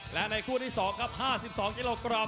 และในกู้ท่อดี๕๒กิโลกรัม